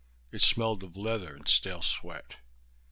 It smelled of leather and stale sweat.